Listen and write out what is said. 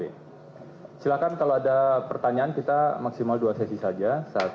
silahkan kalau ada pertanyaan kita maksimal dua sesi saja